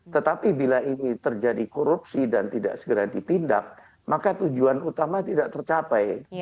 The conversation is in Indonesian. tetapi bila ini terjadi korupsi dan tidak segera ditindak maka tujuan utama tidak tercapai